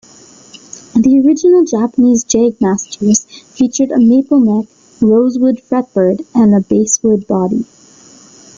The original Japanese Jagmasters featured a maple neck, rosewood fretboard, and basswood body.